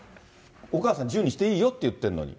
お母さん、自由にしていいよって言ってるのに。